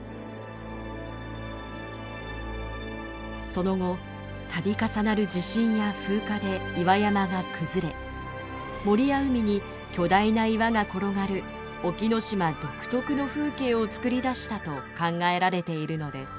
その後度重なる地震や風化で岩山が崩れ森や海に巨大な岩が転がる沖ノ島独特の風景を作り出したと考えられているのです。